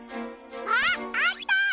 あっあった！